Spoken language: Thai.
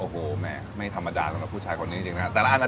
โอ้โหแม่ไม่ธรรมดาสำหรับผู้ชายคนนี้จริงนะครับ